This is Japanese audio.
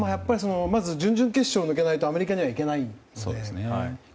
準々決勝を抜けないとアメリカには行けないんで。